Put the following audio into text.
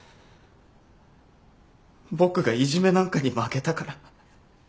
僕がいじめなんかに負けたから。